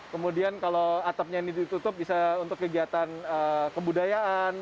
kemudian kalau atapnya ini ditutup bisa untuk kegiatan kebudayaan